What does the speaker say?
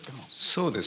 そうですね。